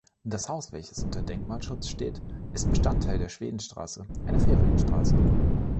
Das Haus, welches unter Denkmalschutz steht, ist Bestandteil der Schwedenstraße, einer Ferienstraße.